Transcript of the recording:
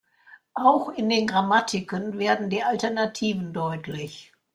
Auch in den Grammatiken werden die Alternativen deutlich.